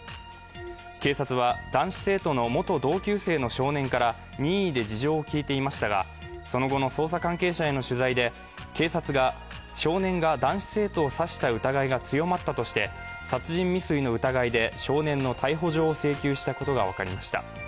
警察は男子生徒の元同級生の少年から任意で事情を聴いていましたがその後の捜査関係者の取材で警察が、少年が男子生徒を刺した疑いが強まったとして、殺人未遂の疑いで少年の逮捕状を請求したことが分かりました。